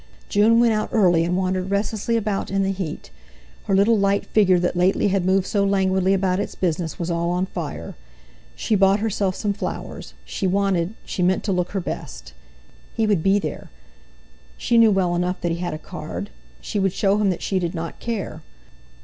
June went out early, and wandered restlessly about in the heat. Her little light figure that lately had moved so languidly about its business, was all on fire. She bought herself some flowers. She wanted—she meant to look her best. He would be there! She knew well enough that he had a card. She would show him that she did not care.